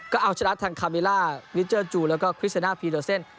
ก็เอาชนะทางคาเมล่ามิเจอร์จูแล้วก็คริสนาพีโดเซ่น